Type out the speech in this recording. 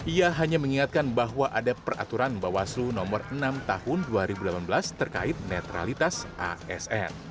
ia hanya mengingatkan bahwa ada peraturan bawaslu nomor enam tahun dua ribu delapan belas terkait netralitas asn